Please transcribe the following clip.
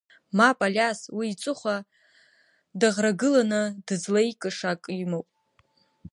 Мап, Алиас уи иҵыхәа даӷрагыланы дызлеикыша ак имоуп.